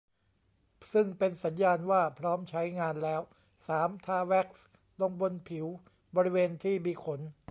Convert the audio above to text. ซึ่งเป็นสัญญาณว่าพร้อมใช้งานแล้ว สาม ทาแว็กซ์ลงบนผิวบริเวณที่มีขน